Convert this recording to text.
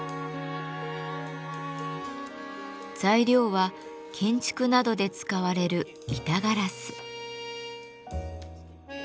材料は建築などで使われる板ガラス。